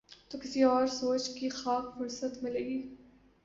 تو کسی اور سوچ کی خاک فرصت ملے گی۔